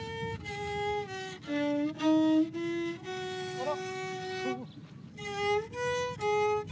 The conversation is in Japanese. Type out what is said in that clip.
あら。